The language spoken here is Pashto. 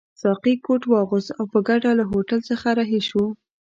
ساقي کوټ واغوست او په ګډه له هوټل څخه رهي شوو.